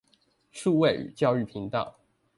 數位與教育頻道